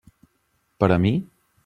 Per a mi?